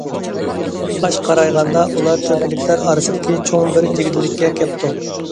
قاش قارايغاندا ئۇلار تۆپىلىكلەر ئارىسىدىكى چوڭ بىر جىگدىلىككە كەپتۇ.